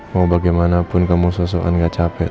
mau bagaimanapun kamu sosokan gak capek